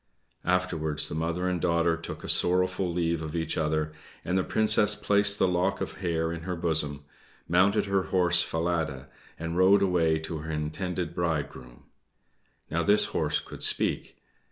Afterwards the mother and daughter took a sorrowful leave of each other, and the princess placed the lock of hair in her bosom, mounted her horse Falada, and rode away to her intended bridegroom. Now this horse could speak.